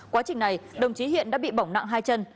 quá trình này đồng chí hiện đã bị bỏng nặng hai chân